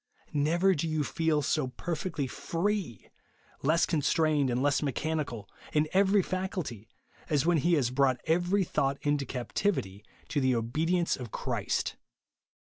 Never do you feel so perfectly free, — less constrained and less mechanical, — in every faculty, as wlien he has " brought every thought into captivity to the obedience of Christ."